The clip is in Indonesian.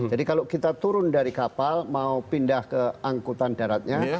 jadi kalau kita turun dari kapal mau pindah ke angkutan daratnya